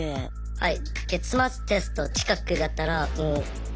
はい。